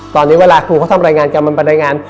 ตอนนี้เวลาครูเขาทำรายงานกันมันไปรายงาน